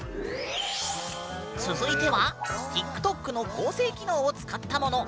続いてはＴｉｋＴｏｋの合成機能を使ったもの。